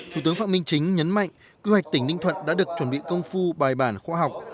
thủ tướng phạm minh chính nhấn mạnh quy hạch tỉnh ninh thuận đã được chuẩn bị công phu bài bản khoa học